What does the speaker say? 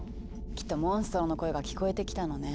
きっとモンストロの声が聞こえてきたのね。